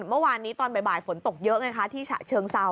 เมื่อวานนี้ตอนบ่ายฝนตกเยอะไงคะที่ฉะเชิงเซา